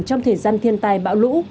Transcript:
trong thời gian thiên tài bão lũ